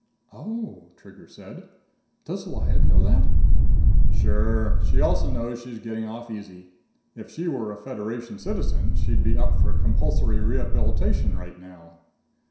"Oh," Trigger said. "Does Lyad know that?" "Sure. She also knows she's getting off easy. If she were a Federation citizen, she'd be up for compulsory rehabilitation right now."